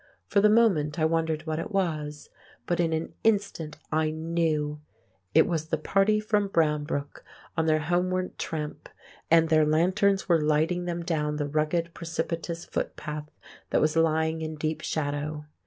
For the moment I wondered what it was, but in an instant I knew; it was the party from Brownbrook on their homeward tramp, and their lanterns were lighting them down the rugged precipitous footpath that was lying in deep shadow.